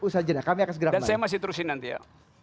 saya masih terusin nanti ya